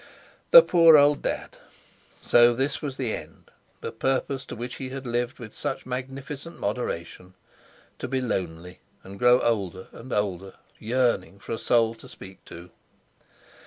The poor old Dad! So this was the end, the purpose to which he had lived with such magnificent moderation! To be lonely, and grow older and older, yearning for a soul to speak to!